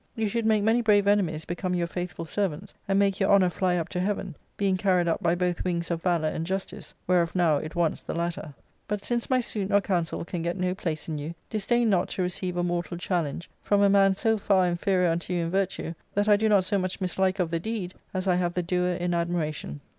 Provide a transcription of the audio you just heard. You should make many brave enemies become your faithful servants and make your honour fly up to heaven, being carried up by both wings of valour and justice, whereof now it wants the latter. But since my suit nor counsel can get no place in you, disdain not to receive a mortal . challenge, from a man so far inferior unto you in virtue that I do not so much mislike of the deed as I have the doer 'in admiration.